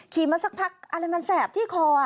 มาสักพักอะไรมันแสบที่คอ